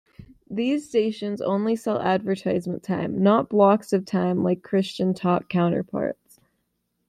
These stations only sell advertisement time, not blocks of time like Christian Talk counterparts.